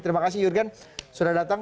terima kasih jurgen sudah datang